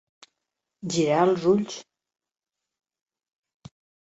Girar els ulls.